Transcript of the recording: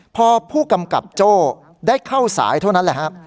พอพจได้เข้าสายเท่านั้น